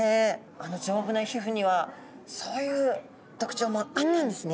あの丈夫な皮膚にはそういう特徴もあったんですね。